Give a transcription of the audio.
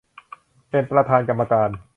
เป็นประธานกรรมการ